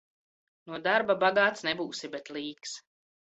No darba bagāts nebūsi, bet līks.